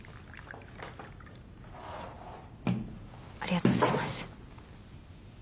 ありがとうございます。